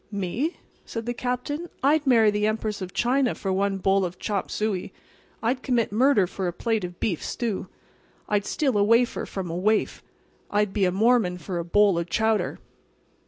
"Me?" said the Captain. "I'd marry the Empress of China for one bowl of chop suey. I'd commit murder for a plate of beef stew. I'd steal a wafer from a waif. I'd be a Mormon for a bowl of chowder."